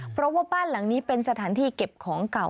เพราะว่าบ้านหลังนี้เป็นสถานที่เก็บของเก่า